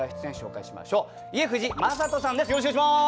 よろしくお願いします。